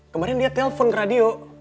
kemarin dia telpon ke radio